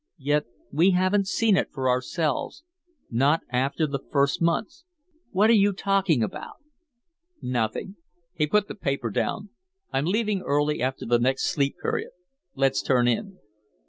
Yet we haven't seen it for ourselves, not after the first months ..." "What are you talking about?" "Nothing." He put the paper down. "I'm leaving early after the next Sleep Period. Let's turn in."